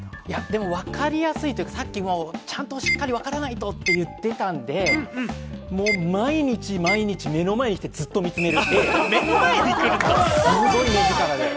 わかりやすいというか、さっきもちゃんとしっかり、わからないとって言っていたのでもう毎日毎日、目の前に来てずっと見つめる。